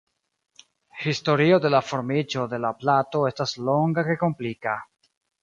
Historio de la formiĝo de la plato estas longa kaj komplika.